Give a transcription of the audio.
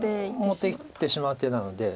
持っていってしまう手なので。